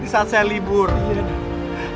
saat saya libur ya